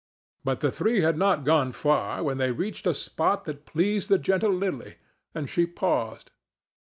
But the three had not gone far when they reached a spot that pleased the gentle Lily, and she paused.